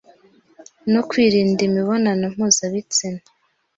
no kwirinda imibonano mpuzabitsina